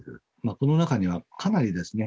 この中にはかなりですね